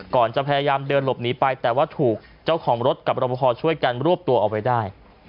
ก่อนจะพยายามเดินหลบหนีไปแต่ว่าถูกเจ้าของรถกับรับประพอช่วยกันรวบตัวเอาไว้ได้